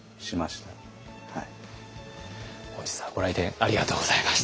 本日はご来店ありがとうございました。